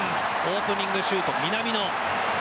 オープニングシュート、南野。